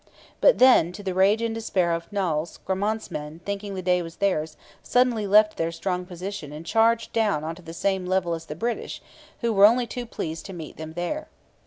But then, to the rage and despair of Noailles, Gramont's men, thinking the day was theirs, suddenly left their strong position and charged down on to the same level as the British, who were only too pleased to meet them there.